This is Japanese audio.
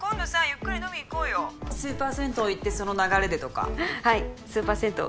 ゆっくり飲み行こうよスーパー銭湯行ってその流れでとかはいスーパー銭湯